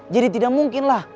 jadi tidak mungkin lah